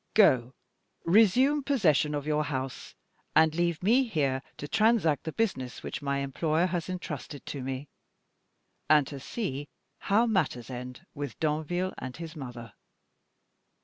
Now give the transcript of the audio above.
Go! resume possession of your house, and leave me here to transact the business which my employer has intrusted to me, and to see how matters end with Danville and his mother.